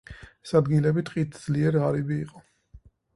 ეს ადგილები ტყით ძლიერ ღარიბი იყო.